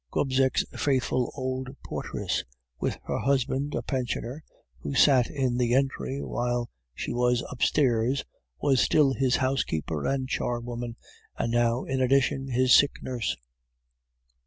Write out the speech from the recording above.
Gobseck's faithful old portress, with her husband, a pensioner, who sat in the entry while she was upstairs, was still his housekeeper and charwoman, and now in addition his sick nurse.